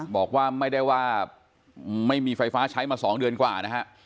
บอกว่าไม่ได้ว่าไม่มีไฟฟ้าใช้มา๒เดือนกว่านะฮะ